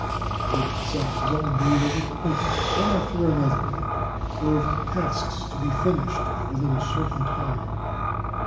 Our work itself is all made of appointments one after another, or of tasks to be finished within a certain time.